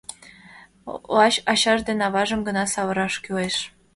Лач ачаж ден аважым гына савыраш кӱлеш.